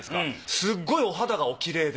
すっごいお肌がおきれいで。